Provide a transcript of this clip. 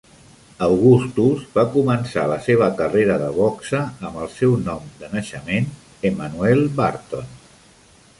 Augustus va començar la seva carrera de boxa amb el seu nom de naixement Emanuel Burton.